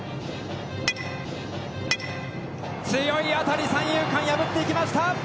強い当たり、三遊間破っていきました！